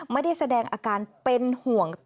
ไม่ได้แสดงอาการเป็นห่วงแตกอย่างใด